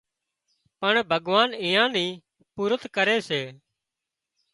پڻ ڀڳوان ايئان نِي پُورت ڪري سي